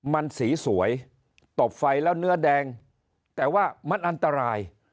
มันสีสวยตบไฟแล้วเนื้อแดงแต่ว่ามันอันตราย